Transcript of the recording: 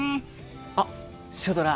あっシュドラ